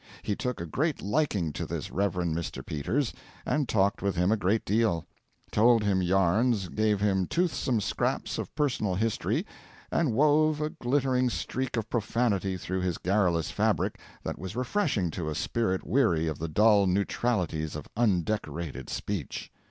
He took a great liking to this Rev. Mr. Peters, and talked with him a great deal: told him yarns, gave him toothsome scraps of personal history, and wove a glittering streak of profanity through his garrulous fabric that was refreshing to a spirit weary of the dull neutralities of undecorated speech.